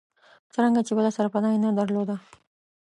څرنګه چې بله سرپناه یې نه درلوده.